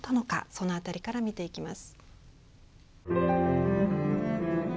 そのあたりから見ていきます。